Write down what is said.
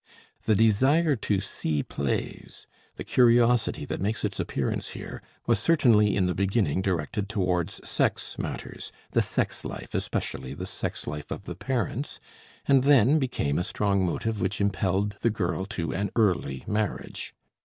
The desire to see plays, the curiosity that makes its appearance here, was certainly in the beginning directed towards sex matters, the sex life, especially the sex life of the parents, and then became a strong motive which impelled the girl to an early marriage.